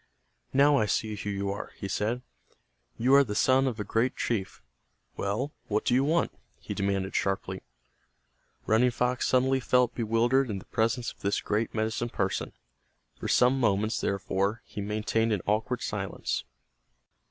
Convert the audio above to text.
"Now I see who you are," he said, "You are the son of a great chief. Well, what do you want?" he demanded, sharply. Running Fox suddenly felt bewildered in the presence of this great medicine person. For some moments, therefore, he maintained an awkward silence.